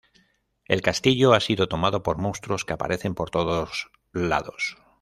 El castillo ha sido tomado por monstruos que aparecen por todos lados.